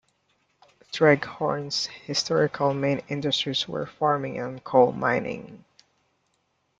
Dreghorn's historical main industries were farming and coal mining.